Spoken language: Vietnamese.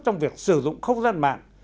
trong việc sử dụng không gian mạng